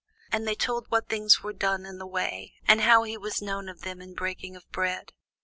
And they told what things were done in the way, and how he was known of them in breaking of bread.